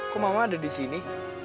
kuma mama ada di sini